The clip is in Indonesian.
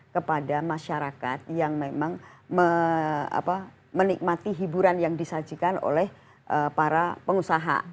kepada masyarakat yang memang menikmati hiburan yang disajikan oleh para pengusaha